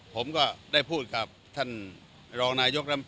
ผมก็ได้พูดกับท่านรองนายกรรม